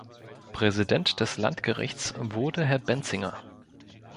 Präsident des Landgerichts wurde Herr Benzinger.